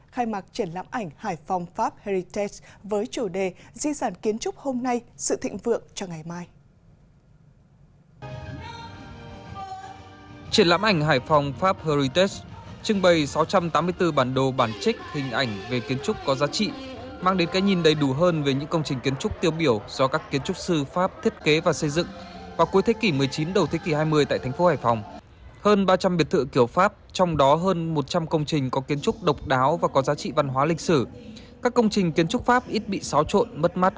khai mạc triển lãm ảnh hải phòng pháp heritage với chủ đề